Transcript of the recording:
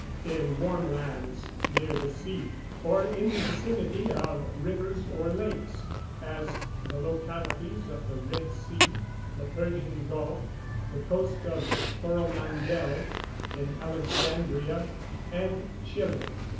_ In warm lands near the sea, or in the vicinity of rivers or lakes, as the localities of the Red Sea, the Persian Gulf the coast of Coromandel, in Alexandria, and Chili.